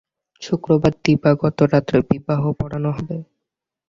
শুক্রবার দিবাগত রাত্রে বিবাহ পড়ানো হবে।